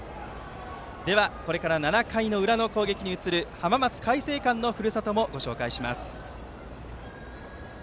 これから７回の裏の攻撃に移る浜松開誠館のふるさともご紹介します。